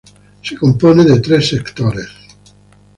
Se compone de tres sectores.